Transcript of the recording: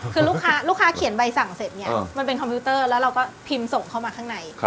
คือลูกค้าเขียนใบสั่งเสร็จเนี่ยมันเป็นคอมพิวเตอร์แล้วเราก็พิมพ์ส่งเข้ามาข้างใน